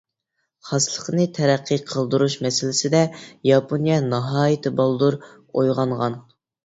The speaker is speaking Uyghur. خاسلىقنى تەرەققىي قىلدۇرۇش مەسىلىسىدە ياپونىيە ناھايىتى بالدۇر ئويغانغان.